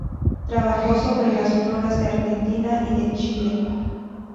Trabajó sobre las floras de Argentina y de Chile.